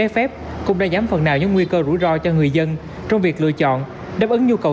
phép cũng đã giảm phần nào những nguy cơ rủi ro cho người dân trong việc lựa chọn đáp ứng nhu cầu